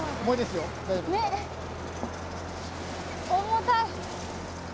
重たい。